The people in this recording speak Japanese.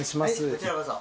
こちらこそ。